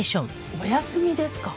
お休みですか？